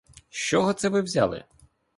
З чого це ви взяли?